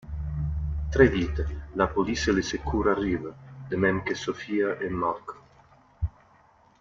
Très vite, la police et les secours arrivent, de même que Sofia et Malcolm.